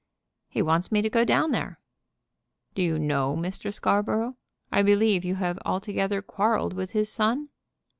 "He wants me to go down there." "Do you know Mr. Scarborough? I believe you have altogether quarrelled with his son?"